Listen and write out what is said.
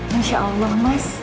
masya allah mas